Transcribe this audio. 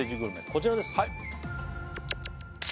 こちらです